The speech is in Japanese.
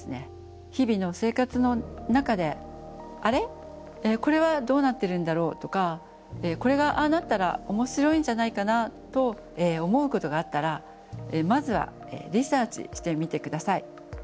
日々の生活の中で「あれ？これはどうなってるんだろう」とか「これがああなったらおもしろいんじゃないかな」と思うことがあったらまずはリサーチしてみて下さい。